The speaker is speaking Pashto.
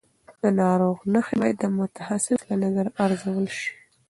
د ناروغ نښې باید د متخصص له نظره ارزول شي.